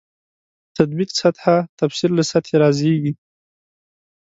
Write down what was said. تطبیق سطح تفسیر له سطحې رازېږي.